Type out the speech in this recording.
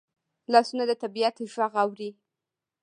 لاسونه د طبیعت غږ اوري